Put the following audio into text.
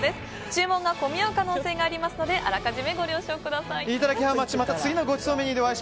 注文が込み合う可能性がありますので予めご了承ください。